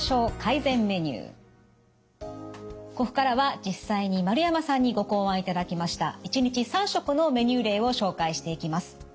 ここからは実際に丸山さんにご考案いただきました１日３食のメニュー例を紹介していきます。